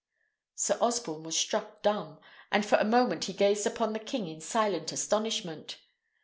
Sir Osborne was struck dumb, and for a moment he gazed upon the king in silent astonishment.